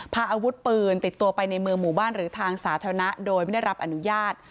พาอาวุธปืนติดตัวไปในเมืองหมู่บ้านหรือทางสาธารณะโดยไม่ได้รับอนุญาต